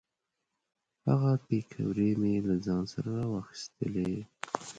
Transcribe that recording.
هغه پیکورې مې له ځان سره را واخیستلې.